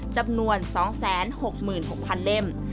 จำนวน๒๖๖๐๐เล่ม